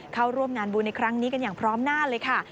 เข้าร่วมงานบุญในครั้งนี้กันอย่างพร้อมหน้าเลยค่ะ